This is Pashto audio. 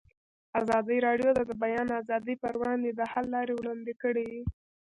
ازادي راډیو د د بیان آزادي پر وړاندې د حل لارې وړاندې کړي.